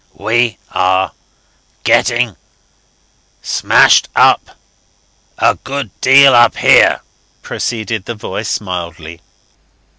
"We are getting smashed up a good deal up here," proceeded the voice mildly.